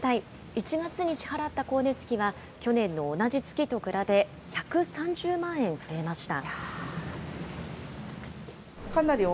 １月に支払った光熱費は去年の同じ月と比べ、１３０万円増えました。